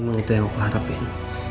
emang itu yang aku harapin